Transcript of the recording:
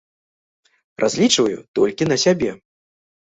Разлічваю толькі на сябе.